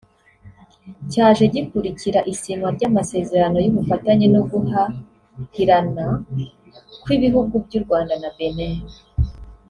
cyaje gikurikira isinywa ry’amasezerano y’ubufatanye no guhahirana kw’ibihugu by’u Rwanda na Benin